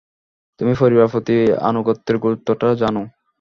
তুমি পরিবারের প্রতি আনুগত্যের গুরুত্বটা জানো।